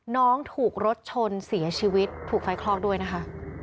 น้องถูกรถชนเสียชีวิตถูกไฟคลอกด้วยนะคะ